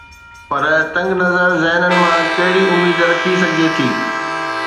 پر تنگ نظر ذهنن مان ڪهڙي اميد رکي سگهجي ٿي؟